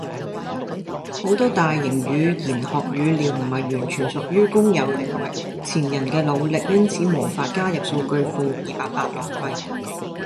好多大型語言學語料唔係完全屬於公有領域。前人既努力因此無法加入數據庫，而白白浪費